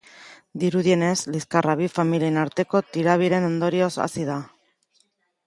Dirudienez, liskarra bi familien arteko tirabiren ondorioz hasi da.